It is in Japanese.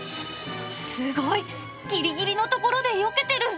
すごい、ぎりぎりのところでよけてる。